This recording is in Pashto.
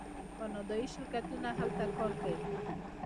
کاناډایی شرکتونه هلته کار کوي.